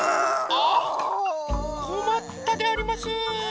あっこまったであります。